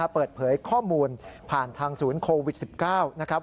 เปิดเผยข้อมูลผ่านทางศูนย์โควิด๑๙นะครับ